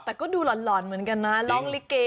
แต่ก็ดูหล่อนเหมือนกันนะร้องลิเก